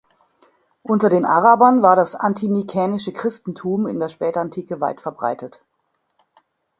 Unter den Arabern war das anti-nicänische Christentum in der Spätantike weit verbreitet.